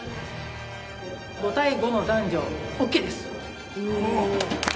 ５対５の男女、ＯＫです。